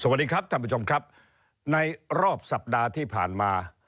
สวัสดีครับท่านผู้ชมครับในรอบสัปดาห์ที่ผ่านมา